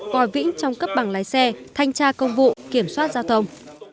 còi vĩnh trong cấp bằng lái xe thanh tra công vụ kiểm soát giao thông